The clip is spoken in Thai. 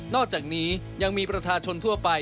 อกจากนี้ยังมีประชาชนทั่วไป